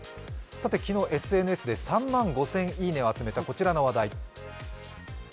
昨日ＳＮＳで３万５０００いいねを集めたこちらの話題。